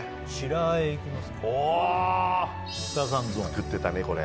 作ってたねこれ。